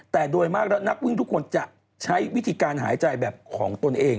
แต่โดยมากแล้วนักวิ่งทุกคนจะใช้วิธีการหายใจแบบของตนเอง